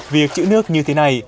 việc chữ nước như thế này